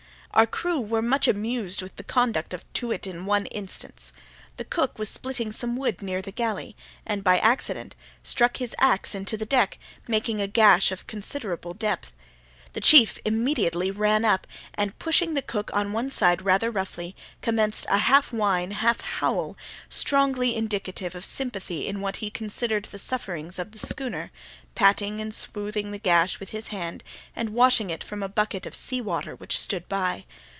Our crew were much amused with the conduct of Too wit in one instance. The cook was splitting some wood near the galley, and, by accident, struck his axe into the deck, making a gash of considerable depth. The chief immediately ran up, and pushing the cook on one side rather roughly, commenced a half whine, half howl, strongly indicative of sympathy in what he considered the sufferings of the schooner, patting and smoothing the gash with his hand, and washing it from a bucket of seawater which stood by.